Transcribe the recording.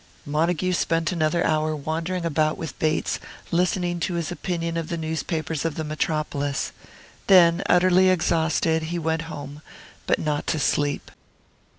Montague spent another hour wandering about with Bates, listening to his opinion of the newspapers of the Metropolis. Then, utterly exhausted, he went home; but not to sleep.